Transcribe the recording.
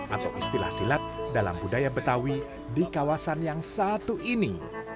atau istilah silat dalam budaya betawi di kawasan yang satu ini